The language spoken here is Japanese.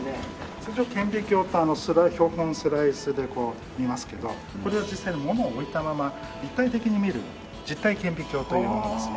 通常顕微鏡って標本をスライスでこう見ますけどこれは実際にものを置いたまま立体的に見る実体顕微鏡というものですね。